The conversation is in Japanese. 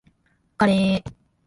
カレー